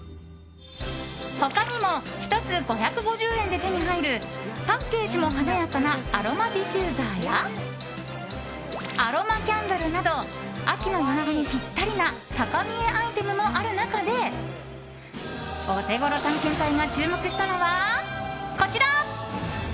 他にも、１つ５５０円で手に入るパッケージも華やかなアロマディフューザーやアロマキャンドルなど秋の夜長にぴったりな高見えアイテムもある中でオテゴロ探検隊が注目したのはこちら。